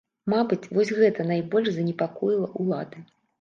Мабыць, вось гэта найбольш занепакоіла ўлады.